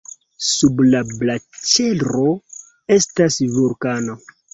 Sub la glaĉero estas vulkano.